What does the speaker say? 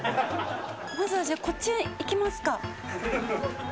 まずはじゃあこっち行きますか。